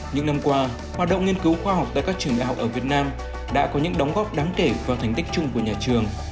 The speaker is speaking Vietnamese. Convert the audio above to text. những năm qua hoạt động nghiên cứu khoa học tại các trường đại học ở việt nam đã có những đóng góp đáng kể vào thành tích chung của nhà trường